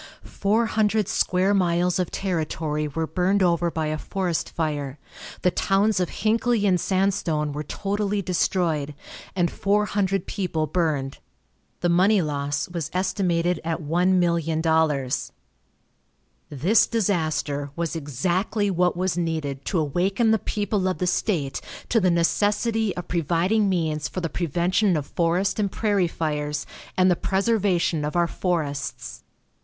Four hundred square miles of territory were burned over by a forest fire, the towns of Hinckley and Sandstone were totally destroyed, and four hundred people burned. The money loss was estimated at $1,000,000. This disaster was exactly what was needed to awaken the people of the state to the necessity of providing means for the prevention of forest and prairie fires and the preservation of our forests.